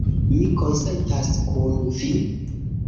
Mi konsentas kun vi